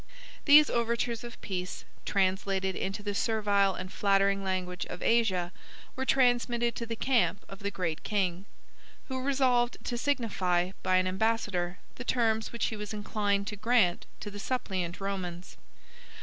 49 4911 These overtures of peace, translated into the servile and flattering language of Asia, were transmitted to the camp of the Great King; who resolved to signify, by an ambassador, the terms which he was inclined to grant to the suppliant Romans.